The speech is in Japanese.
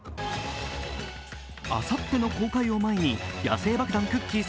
あさっての公開を前に野性爆弾・くっきー！